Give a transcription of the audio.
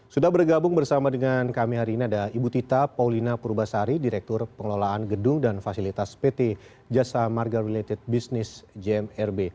sudah bergabung bersama dengan kami hari ini ada ibu tita paulina purbasari direktur pengelolaan gedung dan fasilitas pt jasa marga related business jmrb